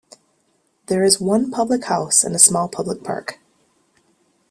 There is one public house and a small public park.